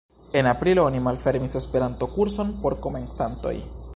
En aprilo oni malfermis Esperanto-kurson por komencantoj.